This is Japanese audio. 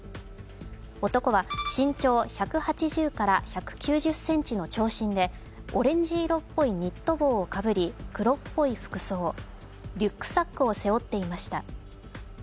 男は身長１８０から１９０ｃｍの長身でオレンジ色っぽいニット帽をかぶり、黒っぽい服装、リュックサックを背負っていました。